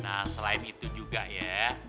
nah selain itu juga ya